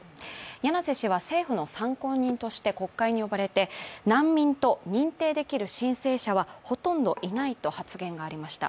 柳瀬氏は政府の参考人として国会に呼ばれて難民と認定できる申請者は、ほとんどいないと発言がありました。